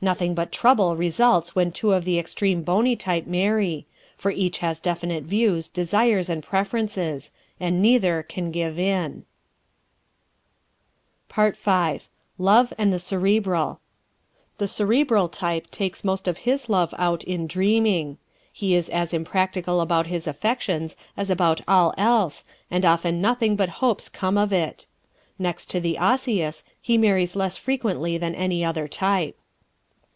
Nothing but trouble results when two of the extreme bony type marry, for each has definite views, desires and preferences and neither can give in. Part Five LOVE AND THE CEREBRAL ¶ The Cerebral type takes most of his love out in dreaming. He is as impractical about his affections as about all else and often nothing but hopes come of it. Next to the Osseous he marries less frequently than any other type.